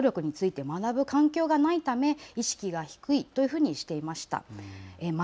一人一人が性暴力について学ぶ環境がないため意識が低いというふうにしていました。